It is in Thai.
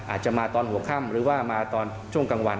อาจจะมาตอนหัวค่ำหรือว่ามาตอนช่วงกลางวัน